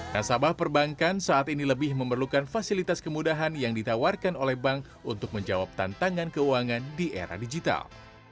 nasabah perbankan saat ini lebih memerlukan fasilitas kemudahan yang ditawarkan oleh bank untuk menjawab tantangan keuangan di era digital